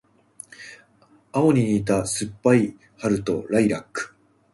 青に似た酸っぱい春とライラック